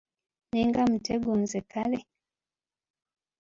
Nninga mutego nze kale.